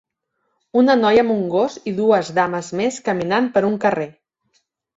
Una noia amb un gos i dues dames més caminant per un carrer.